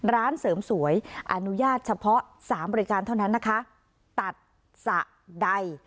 ร้านเสริมสวยอนุญาตเฉพาะสามบริการเท่านั้นนะคะตัดสระใด